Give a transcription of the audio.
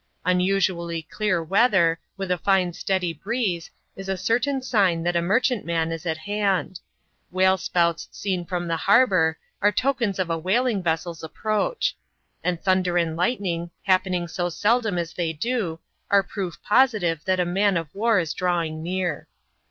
Unusually clear weather, with a fine steady breeze, is a certain sign that a merchantman is at hand ; whale spouts seen from the harbour, are tokens of a whaling vesseFs approach ; and thunder and lightning, happen^ ing so seldom as they do, are proof positive that a man of war is drawing near.